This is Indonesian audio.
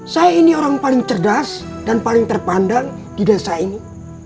saya ini orang paling cerdas dan paling terpandang di desa ini